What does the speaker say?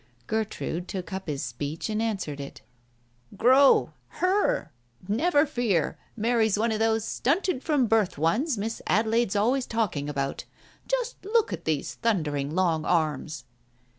Gertrude took up his speech, and answered it. 11 Grow ! Her ! Never fear ! Mary's one of those stunted from birth ones Miss Adelaide's always talking about. Just look at these thundering long arms